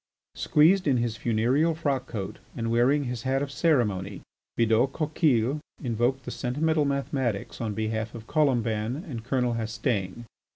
Squeezed in his funereal frock coat and wearing his hat of ceremony, Bidault Coquille invoked the sentimental mathematics on behalf of Colomban and Colonel Hastaing.